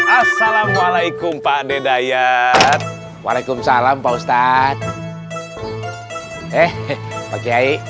assalamualaikum pak deda yat waalaikumsalam pak ustadz eh pakai